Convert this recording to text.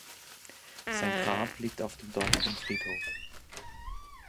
Sein Grab liegt auf dem dortigen Friedhof.